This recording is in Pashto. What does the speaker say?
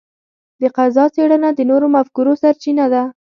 د فضاء څېړنه د نوو مفکورو سرچینه ده.